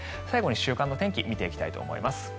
最後に週間天気を見ていきたいと思います。